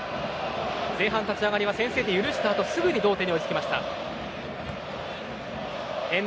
前半立ち上がりは先制点を許したあとすぐに同点に追いつきました。